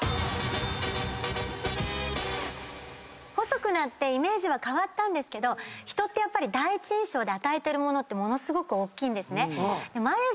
⁉細くなってイメージは変わったんですけど人って第一印象で与えてるものってものすごくおっきいんですね。